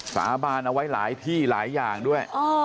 สาบานเอาไว้หลายที่หลายอย่างด้วย